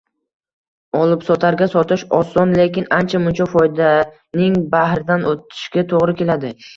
Olibsotarga sotish oson, lekin ancha-muncha foydaning bahridan oʻtishga toʻgʻri keladi.